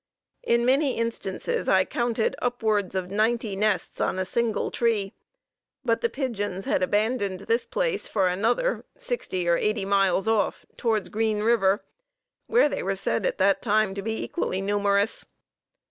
In many instances I counted upwards of ninety nests on a single tree, but the pigeons had abandoned this place for another, sixty or eighty miles off towards Green River, where they were said at that time to be equally numerous.